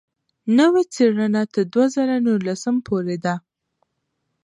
نوې څېړنه تر دوه زره نولسم پورې ده.